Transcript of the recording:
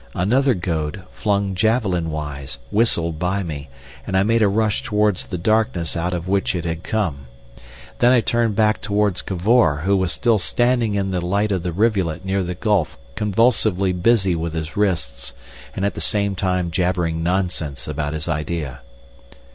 Another goad, flung javelin wise, whistled by me, and I made a rush towards the darkness out of which it had come. Then I turned back towards Cavor, who was still standing in the light of the rivulet near the gulf convulsively busy with his wrists, and at the same time jabbering nonsense about his idea.